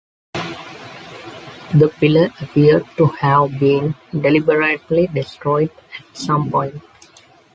The pillar appeared to have been deliberately destroyed at some point.